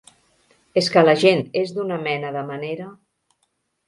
És que la gent és d'una mena de manera...